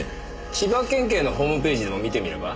千葉県警のホームページでも見てみれば？